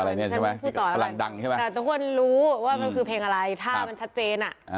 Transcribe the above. แต่ทุกคนรู้ว่ามันคือเพลงอะไรถ้ามันชัดเจน